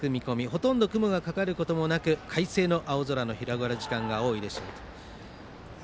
ほとんど雲がかかることもなく快晴の青空の広がる時間が多いでしょう。